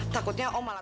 takutnya om malah